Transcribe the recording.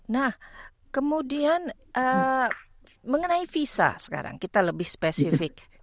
nah kemudian mengenai visa sekarang kita lebih spesifik